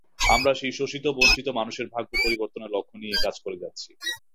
আমরা সেই শোষিত-বঞ্চিত মানুষের ভাগ্য পরিবর্তনের লক্ষ্য নিয়েই কাজ করে যাচ্ছি।